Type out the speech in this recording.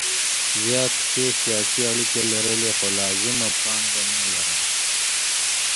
زیات ښې سیاسي اړیکې لرلې خو لازمه پانګه نه لرله.